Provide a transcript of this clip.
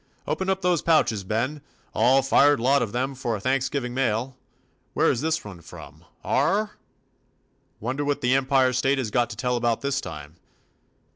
"Open up those pouches, Ben. All fired lot of them for a Thanksgiving mail! Where is this one from, R •? Wonder what the Empire State has got to tell about this time?